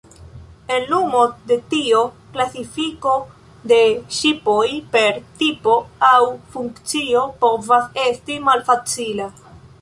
En lumo de tio, klasifiko de ŝipoj per tipo aŭ funkcio povas esti malfacila.